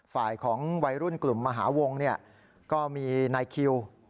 ฝ่ายของวัยรุ่นกลุ่มมหาวงก็มีนายคิว